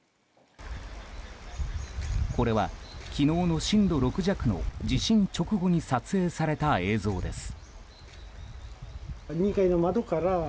これは、昨日の震度６弱の地震直後に撮影された映像です。